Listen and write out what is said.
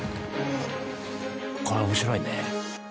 これ面白いね。